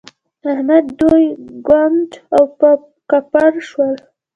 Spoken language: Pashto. احمد دوی کنډ او کپر شول.